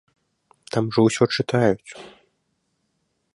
Там жа ўсё чытаюць!